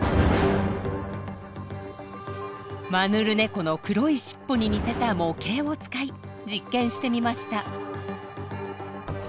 マヌルネコの黒い尻尾に似せた模型を使い実験してみました。